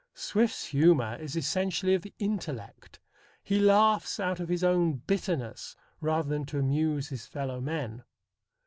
Swift's humour is essentially of the intellect. He laughs out of his own bitterness rather than to amuse his fellow men.